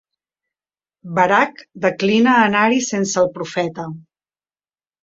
Barak declina anar-hi sense el profeta.